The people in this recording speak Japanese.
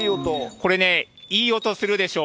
これね、いい音するでしょ？